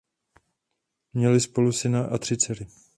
Měli spolu syna a tři dcery.